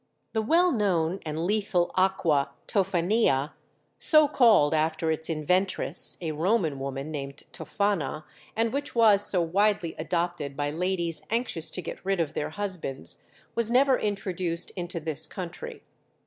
The well known and lethal aqua Toffania, so called after its inventress, a Roman woman named Toffana, and which was so widely adopted by ladies anxious to get rid of their husbands, was never introduced into this country.